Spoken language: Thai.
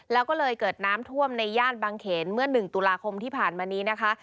แล้วก็เลยเกิดน้ำท่วมในย่านบางเขนเมื่อ๑ตุลาคมที่ผ่านมานี้นะคะ